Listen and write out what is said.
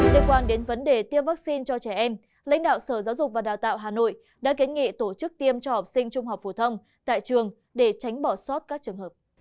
liên quan đến vấn đề tiêm vaccine cho trẻ em lãnh đạo sở giáo dục và đào tạo hà nội đã kiến nghị tổ chức tiêm cho học sinh trung học phổ thông tại trường để tránh bỏ sót các trường hợp